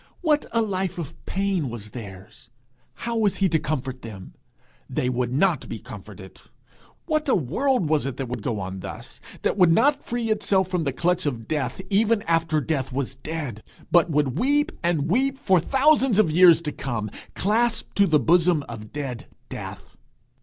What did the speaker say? What a life of pain was theirs! How was he to comfort them? They would not be comforted! What a world was it that would go on thus that would not free itself from the clutch of death, even after death was dead, but would weep and weep for thousands of years to come, clasped to the bosom of dead Death!